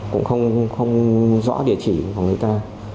cũng không rõ địa chỉ của người ta